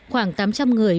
khoảng tám trăm linh người